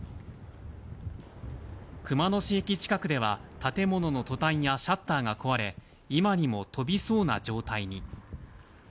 熊野市駅近くでは建物のとたんやシャッターが壊れ、今にも飛びそうな状態に。